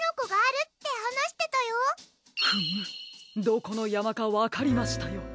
どこのやまかわかりましたよ。